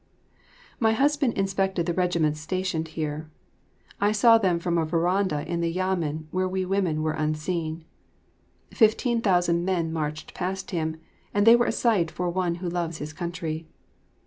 My husband inspected the regiments stationed here. I saw them from a veranda in the Yamen where we women were unseen. Fifteen thousand men marched past him; and they were a sight for one who loves his country.